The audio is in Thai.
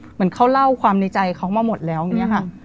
เหมือนเขาเล่าความในใจเขามาหมดแล้วอย่างนี้ค่ะ